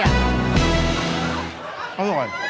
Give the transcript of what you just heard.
อร่อย